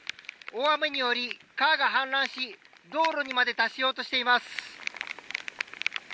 大雨により川が氾濫し道路にまで達しようとしています。